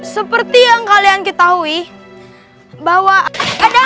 seperti yang kalian ketahui bahwa ada